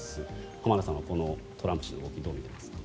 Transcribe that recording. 浜田さんは、トランプ氏の動きをどう見ていますか。